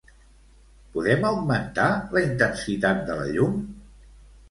Podem augmentar la intensitat de la llum?